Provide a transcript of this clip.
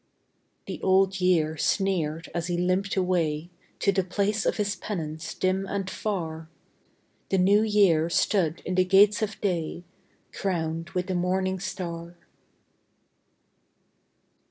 " The Old Year sneered as he limped away To the place of his penance dim and far. The New Year stood in the gates of day, Crowned with the morning star.